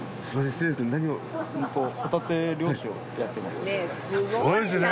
すごいですね。